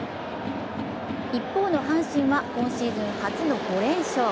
一方の阪神は今シーズン初の５連勝。